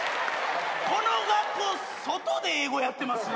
この学校外で英語やってます？